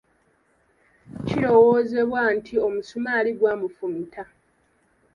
Kirowoozebwa nti omusumaali gwamufumita.